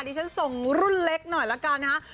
ดิฉันส่งรุ่นเล็กหน่อยละกันนะฮะ